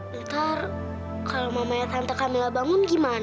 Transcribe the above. ntar kalau mamanya tante kamila bangun gimana